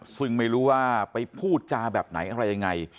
ซึ่งไม่รู้ว่าไปพูดจาแบบไหนอะไรยังไง